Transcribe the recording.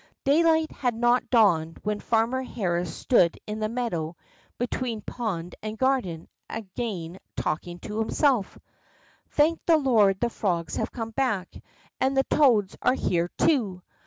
Daylight had not dawned when Parmer Harris stood in the meadow between pond and garden again talking to himself: Thank the Lord the frogs have come hack, and the toads are here too